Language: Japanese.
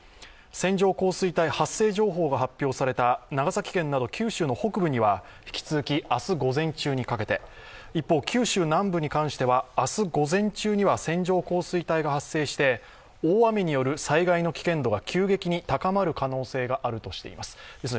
線状降水帯発生情報が発表された長崎県など九州の北部は引き続き明日午前中にかけて、一方、九州南部に関しては明日午前中には線状降水帯が発生して大雨による災害の危険度が急激に高まる可能性があるとしています。